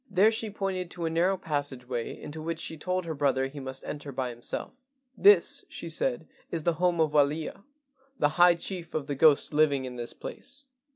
There she pointed to a narrow passage way into which she told her brother he must enter by himself. "This," she said, "is the home of Walia, the high chief of the ghosts living in this place.